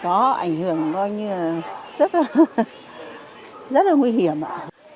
có ảnh hưởng coi như là rất là nguy hiểm ạ